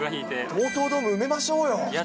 東京ドーム埋めましょうよ。